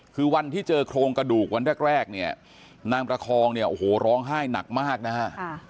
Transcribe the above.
คือวันที่เจอโครงกระดูกวันแรกนางประคองร้องไห้หนักมากนะครับ